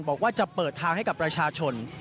บอกว่าจะเปิดทางให้กับประชาชน